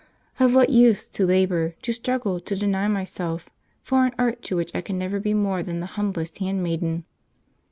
Of what use to labour, to struggle, to deny myself, for an art to which I can never be more than the humblest handmaiden?